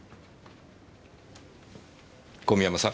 小見山さん？